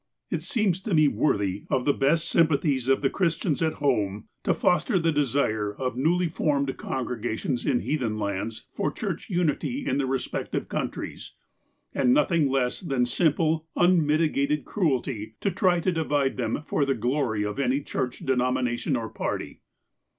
'' It seems to me worthy of the best sympathies of the Christians at home to foster the desire of newly formed congregations in heathen lands for church unity in their respective countries, and nothing less than simple, unmitigated cruelty to try to divide them for the glory of any church denomination or party."